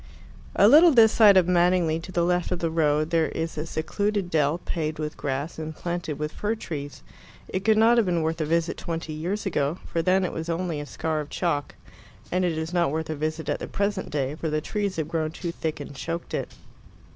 II A little this side of Madingley, to the left of the road, there is a secluded dell, paved with grass and planted with fir trees. It could not have been worth a visit twenty years ago, for then it was only a scar of chalk, and it is not worth a visit at the present day, for the trees have grown too thick and choked it.